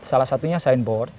salah satunya signboard